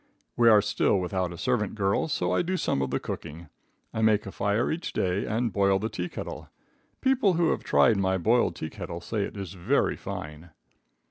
We are still without a servant girl, so I do some of the cooking. I make a fire each day and boil the teakettle. People who have tried my boiled teakettle say it is very fine.